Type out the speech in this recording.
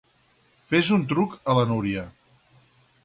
Fes un truc a la Núria.